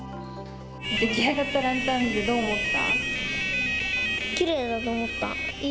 出来上がったランタンを見てどう思った？